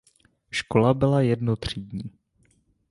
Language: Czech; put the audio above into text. Škola byla jednotřídní.